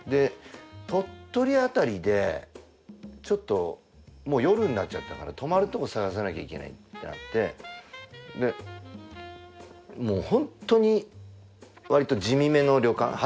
鳥取あたりでちょっともう夜になっちゃったから泊まるとこ探さなきゃいけないってなってもうホントにわりと地味めの旅館。